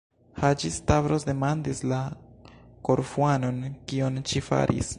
Haĝi-Stavros demandis la Korfuanon: Kion ci faris?